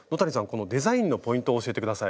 このデザインのポイントを教えて下さい。